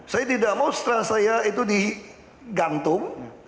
saya tidak mau setelah saya itu digantung